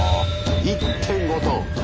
１．５トン！